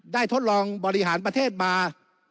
ทดลองบริหารประเทศมา